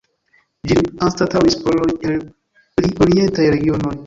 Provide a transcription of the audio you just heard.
Ĝin anstataŭis poloj el pli orientaj regionoj.